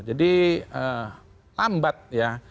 jadi lambat ya